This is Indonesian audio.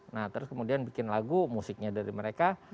nah terus kemudian bikin lagu musiknya dari mereka